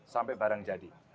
sampai barang jadi